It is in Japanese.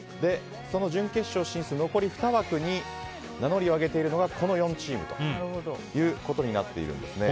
その準決勝進出、残り２枠に名乗りを上げているのがこの４チームとなっています。